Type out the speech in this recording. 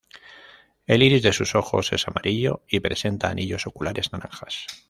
El iris de sus ojos es amarillo y presenta anillos oculares naranjas.